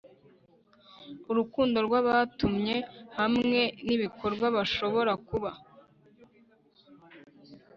Urukundo rwabatumye hamwe nibikorwa bashobora kuba